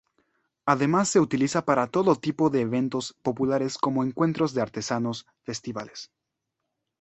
Además se utiliza para todo tipo de eventos populares como encuentros de artesanos, festivales.